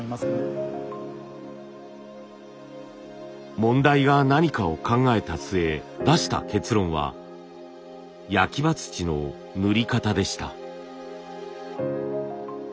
問題が何かを考えた末出した結論は焼刃土の塗り方でした。